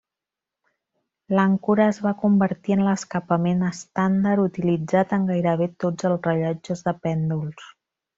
L'àncora es va convertir en l'escapament estàndard utilitzat en gairebé tots els rellotges de pèndols.